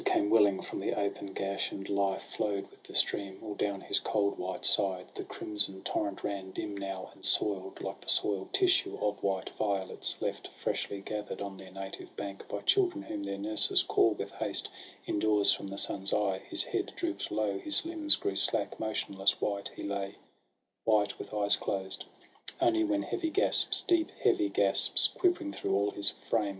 Came welling from the open gash, and life Flow'd with the stream ;— all down his cold white side The crimson torrent ran, dim now and soil'd, Like the soil'd tissue of white violets Left, freshly gather'd, on their native bank, By romping children whom their nurses call Indoors from the sun's eye ; his head droop'd low, His limbs grew slack ; motionless, white, he lay — White, with eyes closed; only when heavy gasps, Deep heavy gasps quivering through all his frame.